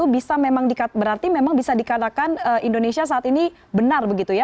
berarti memang bisa dikatakan indonesia saat ini benar begitu ya